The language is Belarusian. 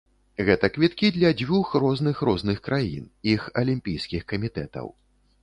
Гэта квіткі для дзвюх розных розных краін, іх алімпійскіх камітэтаў.